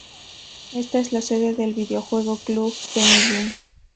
Esta es la sede del videojuego Club Penguin.